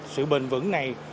sự bình vững này